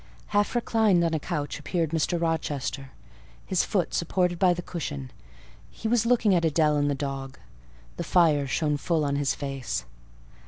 Half reclined on a couch appeared Mr. Rochester, his foot supported by the cushion; he was looking at Adèle and the dog: the fire shone full on his face.